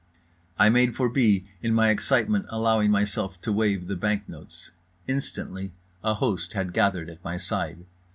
I made for B., in my excitement allowing myself to wave the bank notes. Instantly a host had gathered at my side.